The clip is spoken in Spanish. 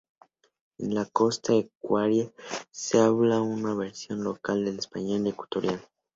En la Costa ecuatoriana se habla una versión local del español ecuatorial.